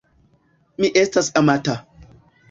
Mi estas amata.